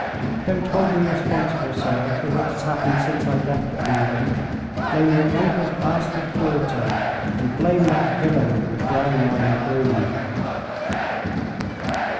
Don't hold me responsible, sir, for what has happened since I left England. Blame your uncle's bastard daughter, and blame that villain with the brown eye and the green!"